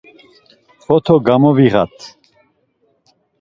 Foto gamaviğat.